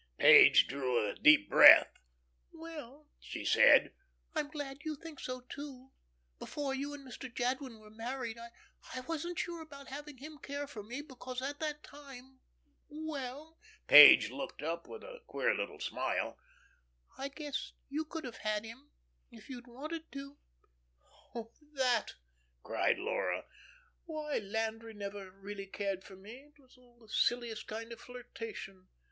Page drew a deep breath. "Well," she said, "I'm glad you think so, too. Before you and Mr. Jadwin were married, I wasn't sure about having him care for me, because at that time well " Page looked up with a queer little smile, "I guess you could have had him if you had wanted to." "Oh, that," cried Laura. "Why, Landry never really cared for me. It was all the silliest kind of flirtation.